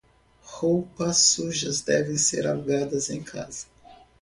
Roupas sujas devem ser alugadas em casa.